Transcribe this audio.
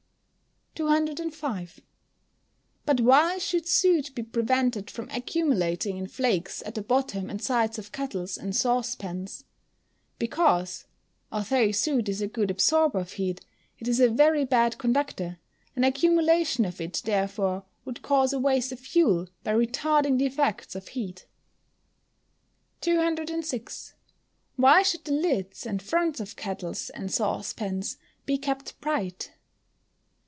"] 205. But why should soot be prevented from accumulating in flakes at the bottom and sides of kettles and saucepans? Because, although soot is a good absorber of heat, it is a very bad conductor; an accumulation of it, therefore, would cause a waste of fuel, by retarding the effects of heat. 206. _Why should the lids and fronts of kettles and saucepans be kept bright?